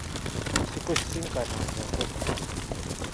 Sikusisinkanangako.